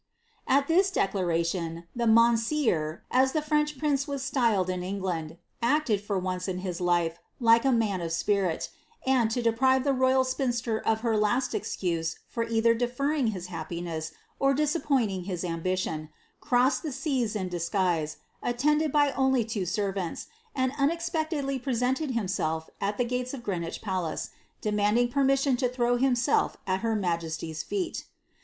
At this declaration, the mounseer^ as the French prince was styled in Eo^nd, acted, for once in his life, like a man of spirit, and, to deprive the royal spinster of her last excuse for either deferring his happiness or disappointing his ambition, crossed the seas in disguise, attended by ooly two servants, and unexpectedly presenting himself at the gates of Greenwich palace, demanded permission to l^row himself at ner ma jesty's feet.